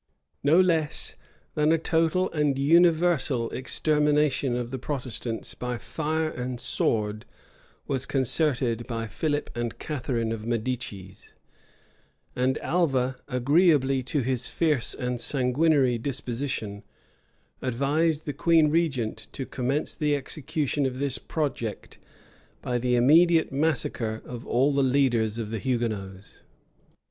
No less than a total and universal extermination of the Protestants by fire and sword was concerted by Philip and Catharine of Medicis; and Alva, agreeably to his fierce and sanguinary disposition, advised the queen regent to commence the execution of this project, by the immediate massacre of all the leaders of the Hugonots.